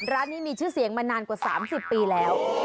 ร้านนี้มีชื่อเสียงมานานกว่า๓๐ปีแล้ว